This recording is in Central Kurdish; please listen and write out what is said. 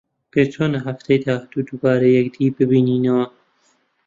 پێت چۆنە هەفتەی داهاتوو دووبارە یەکدی ببینینەوە؟